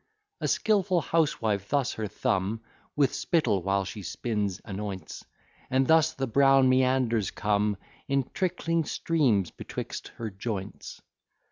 A skilful housewife thus her thumb, With spittle while she spins anoints; And thus the brown meanders come In trickling streams betwixt her joints.